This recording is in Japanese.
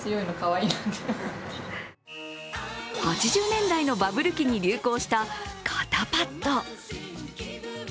８０年代のバブル期に流行した肩パッド。